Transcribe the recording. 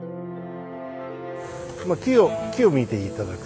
まあ木を木を見て頂くと。